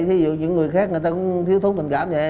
thí dụ những người khác người ta cũng thiếu thú tình cảm vậy